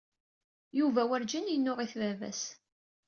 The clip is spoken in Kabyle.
Yuba werǧin yennuɣ-it baba-s.